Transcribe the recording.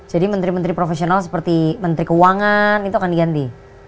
jadi menteri menteri profesional seperti menteri keuangan itu akan diganti